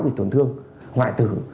bị tổn thương ngoại tử